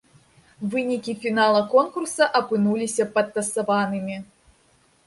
Вынікі фінала конкурса апынуліся падтасаванымі.